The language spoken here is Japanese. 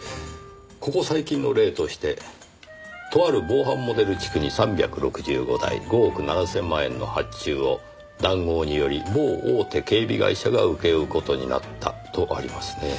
「ここ最近の例としてとある防犯モデル地区に３６５台５億７千万円の発注を談合により某大手警備会社が請け負う事になった」とありますねぇ。